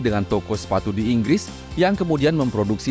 dengan toko sepatu di inggris yang kemudian memproduksi